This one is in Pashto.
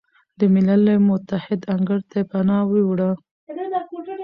د ملل متحد انګړ ته پناه ویوړه،